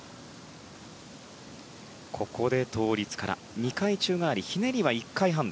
ここで倒立から２回宙返りひねりは１回半。